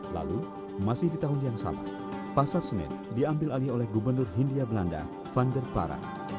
lalu masih di tahun yang sama pasar senen diambil alih oleh gubernur hindia belanda vander para